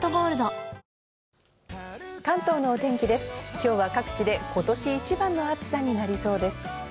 今日は各地で今年一番の暑さになりそうです。